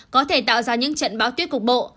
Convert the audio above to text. có thể tạo ra những trận báo tuyết cục bộ